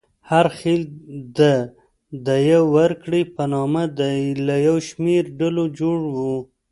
هر خېل د دیه ورکړې په نامه له یو شمېر ډلو جوړ و.